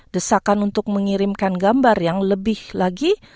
desakan untuk mengirimkan gambar yang lebih lagi